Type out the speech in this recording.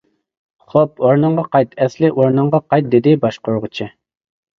-خوپ، ئورنۇڭغا قايت، ئەسلى ئورنۇڭغا قايت-دېدى باشقۇرغۇچى.